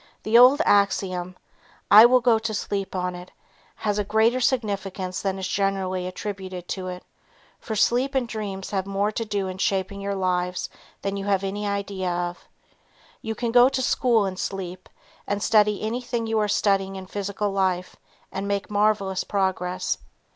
The old axiom, "I will go to sleep on it," has a greater significance than is generally attributed to it, for sleep and dreams have more to do in shaping your lives than you have any idea of. You can go to school in sleep and study anything you are studying in physical life and make marvelous progress.